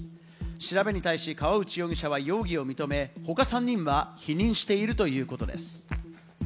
調べに対し、河内容疑者は容疑を認め、他３人は否認しているということです。